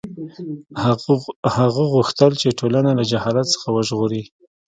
هغه غوښتل چې ټولنه له جهالت څخه وژغوري.